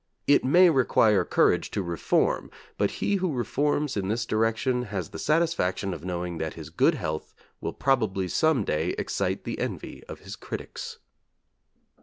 It may require courage to reform, but he who reforms in this direction has the satisfaction of knowing that his good health will probably some day excite the envy of his critics.